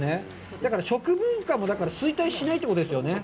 だから、食文化も衰退しないってことですよね？